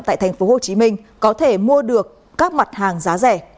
tại thành phố hồ chí minh có thể mua được các mặt hàng giá rẻ